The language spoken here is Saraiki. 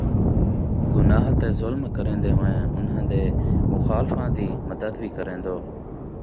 گناہ تے ظلم کریندے ہوئیں انہاں دے مخالفاں دِی مدد وِی کریندو،